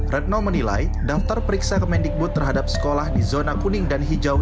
retno menilai daftar periksa kemendikbud terhadap sekolah di zona kuning dan hijau